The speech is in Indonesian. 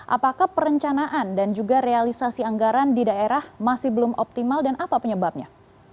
apakah perencanaan dan juga realisasi anggaran di daerah masih belum optimal dan apa penyebabnya